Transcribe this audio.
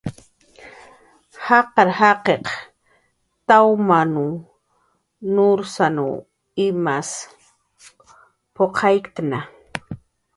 Jaqar jaqiq tawmanw nursanw imas puqayktna